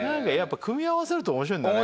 組み合わせると面白いんだね。